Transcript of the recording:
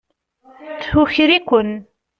Tuker-iken.